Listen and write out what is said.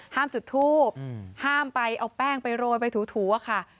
จุดทูบห้ามไปเอาแป้งไปโรยไปถูอะค่ะ